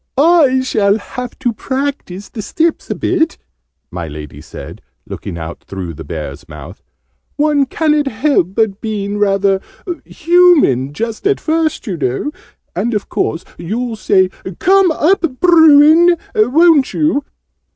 "I shall have to practise the steps a bit," my Lady said, looking out through the Bear's mouth: "one ca'n't help being rather human just at first, you know. And of course you'll say 'Come up, Bruin!', won't you?"